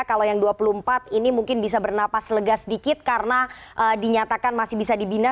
kalau yang dua puluh empat ini mungkin bisa bernapas lega sedikit karena dinyatakan masih bisa dibina